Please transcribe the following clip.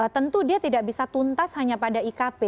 tentu dia tidak bisa tuntas hanya pada ikp